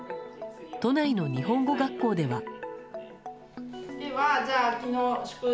都内の日本語学校では。